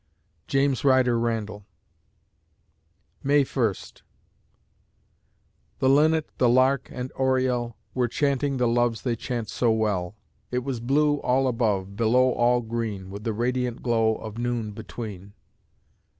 JAMES RYDER RANDALL May First The linnet, the lark, and oriel Were chanting the loves they chant so well; It was blue all above, below all green, With the radiant glow of noon between.